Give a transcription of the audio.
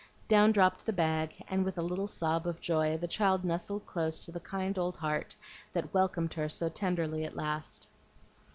Down dropped the bag, and with a little sob of joy the child nestled close to the kind old heart that welcomed her so tenderly at last.